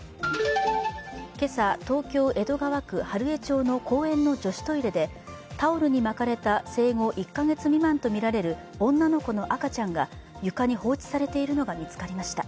今朝、東京・江戸川区春江町の公園の女子トイレでタオルに巻かれた生後１か月未満とみられる女の子の赤ちゃんが床に放置されているのが見つかりました。